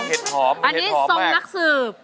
อันนี้ทรงนักสืบ